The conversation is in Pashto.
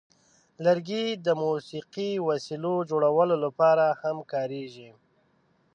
لرګي د موسیقي وسیلو جوړولو لپاره هم کارېږي.